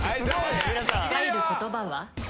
入る言葉は？